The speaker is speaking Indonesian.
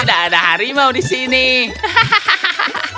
udah ada harimau di sini hahaha